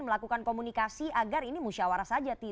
melakukan komunikasi agar ini musyawarah saja